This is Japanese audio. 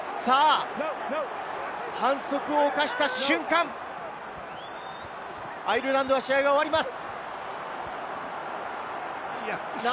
反則を犯した瞬間、アイルランドは試合が終わります。